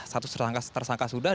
status tersangka sudah